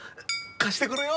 貸してくれよ！